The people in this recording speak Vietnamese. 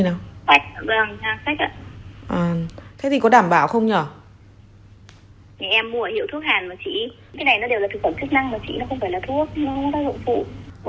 em mua ở hiệu thuốc hàn mà chị cái này nó đều là thực phẩm chức năng mà chị nó không phải là thuốc nó không có tác dụng phụ